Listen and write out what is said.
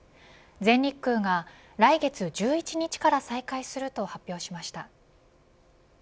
全日空が来月１１日から再開すると発表しました。